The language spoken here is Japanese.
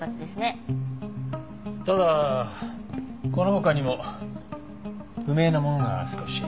ただこの他にも不明なものが少し。